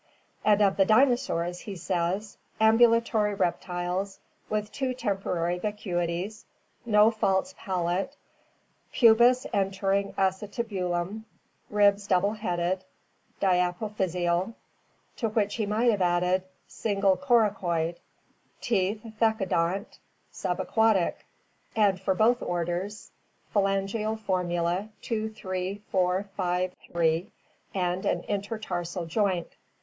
And of the dinosaurs he says: "Ambulatory reptiles, with two tem poral vacuities; no false palate; pubis entering acetabulum; ribs double headed, diapophysial," to which he might have added "sin gle coracoid; teeth thecodont [in Saurischia, see below]; sub aquatic." And for both orders, "phalangeal formula 2, 3, 4, 5, 3, and an intertarsal joint."